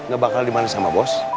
gak bakal dimarahin sama bos